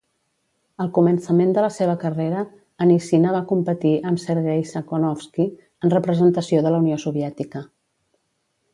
Al començament de la seva carrera, Anissina va competir amb Sergei Sakhnovski, en representació de la Unió Soviètica.